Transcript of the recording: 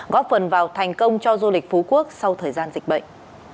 góp phần vào thành công cho du lịch phú quốc sau thời gian dịch bệnh